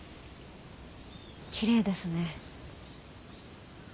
きれいですね。